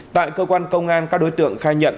tại cơ quan công an các đối tượng khai nhận